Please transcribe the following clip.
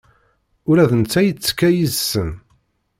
Ula d netta ittekka yid-sen.